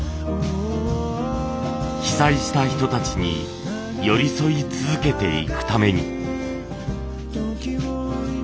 被災した人たちに寄り添い続けていくために。